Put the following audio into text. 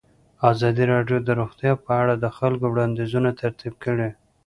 ازادي راډیو د روغتیا په اړه د خلکو وړاندیزونه ترتیب کړي.